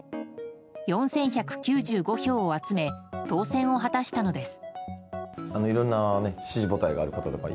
４１９５票を集め当選を果たしたのです。